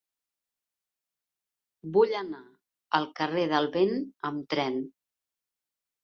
Vull anar al carrer del Vent amb tren.